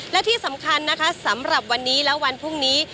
และที่สำคัญนะคะสำหรับวันนี้และวันพรุ่งนี้